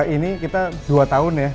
ini kita dua tahun ya